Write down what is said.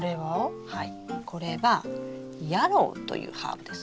これはヤロウというハーブです。